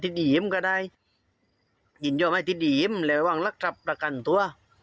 ติดหยิมก็ได้หยินโยมให้ติดหยิมแล้ววางลักษณะประกันตัว